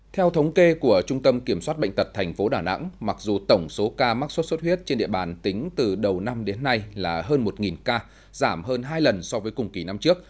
theo thống kê của trung tâm kiểm soát bệnh tật tp đà nẵng mặc dù tổng số ca mắc sốt xuất huyết trên địa bàn tính từ đầu năm đến nay là hơn một ca giảm hơn hai lần so với cùng kỳ năm trước